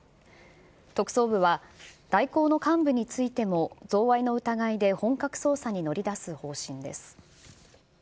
特捜部は、大広の幹部についても贈賄の疑いで本格捜査に乗り出す方針です。